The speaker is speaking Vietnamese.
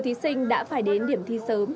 thí sinh đã phải đến điểm thi sớm